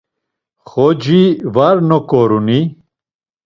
Xoci var noǩoruni?